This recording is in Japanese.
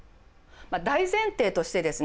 大前提としてですね